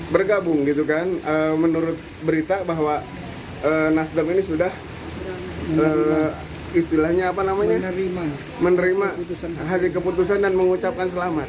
bergabung gitu kan menurut berita bahwa nasdem ini sudah istilahnya apa namanya menerima hasil keputusan dan mengucapkan selamat